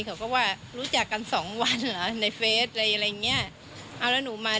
เขาก็ว่ารู้จักกันสองวันเหรอในเฟสอะไรอะไรอย่างเงี้ยเอาแล้วหนูมา